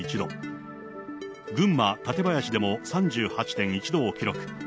群馬・館林でも３８．１度を記録。